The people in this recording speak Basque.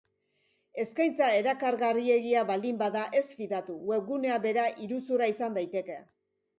Eskaintza erakargarriegia baldin bada, ez fidatu, webgunea bera iruzurra izan daiteke.